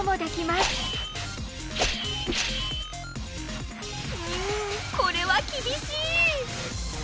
うんこれは厳しい！